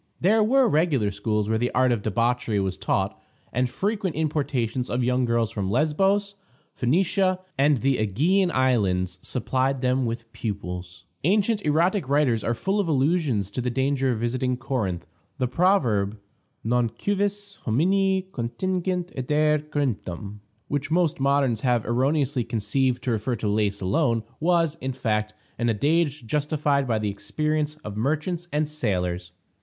There were regular schools where the art of debauchery was taught, and frequent importations of young girls from Lesbos, Phoenicia, and the Ægean Islands supplied them with pupils. Ancient erotic writers are full of allusions to the danger of visiting Corinth; the proverb, Non cuivis homini contingit adire Corinthum, which most moderns have erroneously conceived to refer to Lais alone, was, in fact, an adage justified by the experience of merchants and sailors.